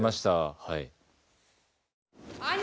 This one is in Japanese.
はい。